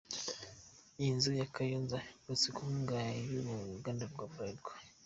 Iyi nzu ya Kayonza, yubatswe ku nkunga y’uruganda rwa Bralirwa.